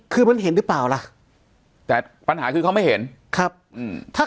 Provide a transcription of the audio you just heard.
คือมันเห็นหรือเปล่าล่ะแต่ปัญหาคือเขาไม่เห็นครับอืมถ้า